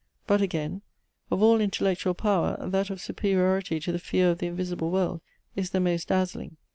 But again; of all intellectual power, that of superiority to the fear of the invisible world is the most dazzling.